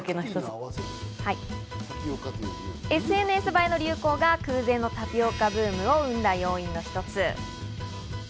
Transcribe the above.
ＳＮＳ映えの流行が空前のタピオカブームを生んだ要因の一つ。